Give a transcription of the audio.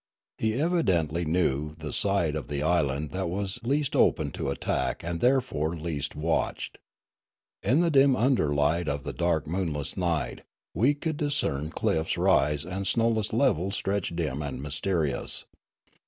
He evidently knew the side of the island that was least open to attack and therefore least watched. In the dim underlight of the dark moonless night we could discern cliffs rise and snowless levels stretch dim and mysterious.